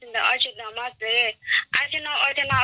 ไม่รึเป็นไรนะ